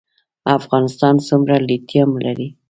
افغانستان څومره لیتیم لري؟